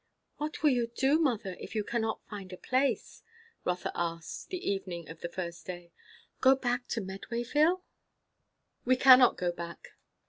"What will you do, mother, if you cannot find a place?" Rotha asked, the evening of the first day. "Go back to Medwayville?" "We cannot go back."